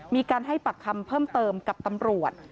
มีการให้ปักคำเพิ่มเติมกับตำรวจ